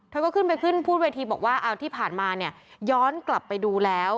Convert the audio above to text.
เธอก็ขึ้นไปขึ้นพูดเวทีบอกว่าเอาที่ผ่านมาเนี่ยย้อนกลับไปดูแล้ว